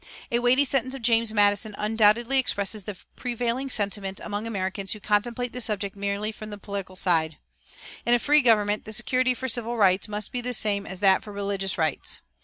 A weighty sentence of James Madison undoubtedly expresses the prevailing sentiment among Americans who contemplate the subject merely from the political side: "In a free government the security for civil rights must be the same as that for religious rights.